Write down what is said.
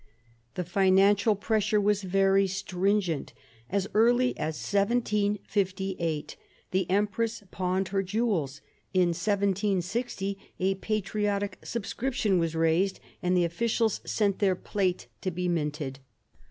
The financial pressure was very stringent; as early as 1758 the empress pawned her jewels; in 1760 a patriotic sub f scription was raised, and the officials sent their plate to be minted.